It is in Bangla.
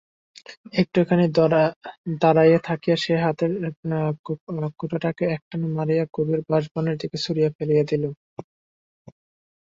একটুখানি দাঁড়াইয়া থাকিয়া সে হাতের কোেটাটাকে একটান মারিয়া গভীর বাঁশবনের দিকে ছুড়িয়া ফেলিয়া দিল।